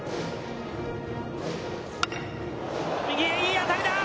右へ、いい当たりだ。